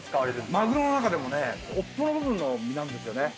マグロの中でもね尾っぽの部分の身なんですよね。